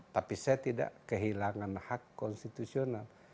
tapi saya tidak kehilangan hak konstitusional